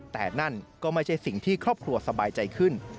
แต่นั่นก็ไม่ใช่สิ่งที่ครอบครัวสบายใจขึ้น